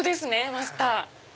マスター。